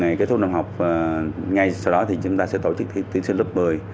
ngày kết thúc năm học ngay sau đó thì chúng ta sẽ tổ chức tuyển sinh lớp một mươi